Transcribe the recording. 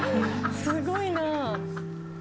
すごいな。